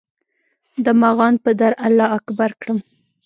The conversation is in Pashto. د مغان پر در الله اکبر کړم